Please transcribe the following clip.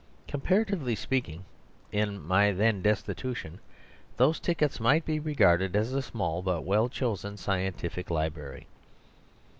Comparatively speaking, in my then destitution, those tickets might be regarded as a small but well chosen scientific library.